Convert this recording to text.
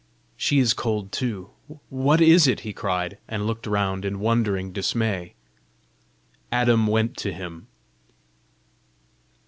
"She is cold too! What is it?" he cried and looked round in wondering dismay. Adam went to him.